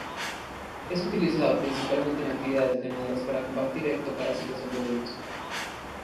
Es utilizado principalmente en actividades ganaderas para combatir ectoparásitos en bovinos.